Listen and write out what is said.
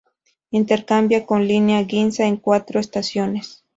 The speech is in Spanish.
Intercambia con la línea Ginza en cuatro estaciones.